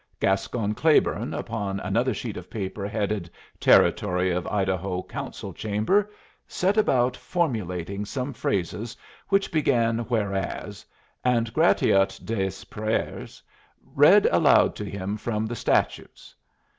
Gascon Claiborne, upon another sheet of paper headed "Territory of Idaho, Council Chamber," set about formulating some phrases which began "Whereas," and Gratiot des Pères read aloud to him from the statutes.